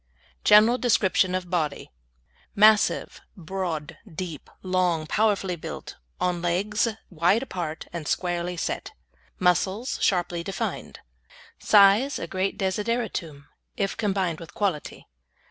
GENERAL DESCRIPTION OF BODY Massive, broad, deep, long, powerfully built, on legs wide apart, and squarely set. Muscles sharply defined. Size a great desideratum, if combined with quality.